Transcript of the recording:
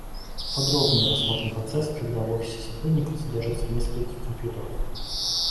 Подробнее рассмотрим процесс, когда в офисе сотрудника содержится несколько компьютеров